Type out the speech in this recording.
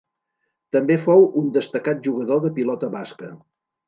També fou un destacat jugador de pilota basca.